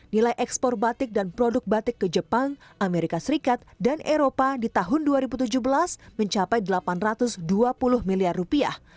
nilai ekspor batik dan produk batik ke jepang amerika serikat dan eropa di tahun dua ribu tujuh belas mencapai delapan ratus dua puluh miliar rupiah